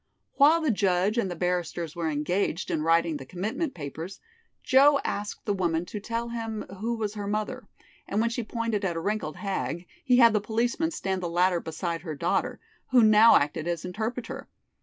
While the judge and the barristers were engaged in writing the commitment papers, Joe asked the woman to tell him who was her mother, and when she pointed at a wrinkled hag, he had the policeman stand the latter beside her daughter, who now acted as interpreter.